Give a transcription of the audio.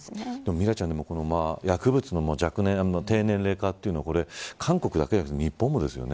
ミラちゃん薬物の若年齢化というのは韓国だけでなくて日本もですよね。